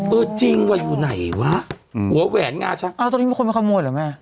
เออจริงว่าอยู่ไหนวะหัวแหวนงาชะอ่าตอนนี้มีคนมาเข้ามวยหรือแม่